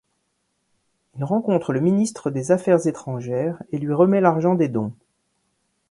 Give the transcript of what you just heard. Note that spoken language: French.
Il rencontre le ministre des Affaires étrangères et lui remet l'argent des dons.